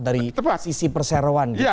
dari sisi perseroan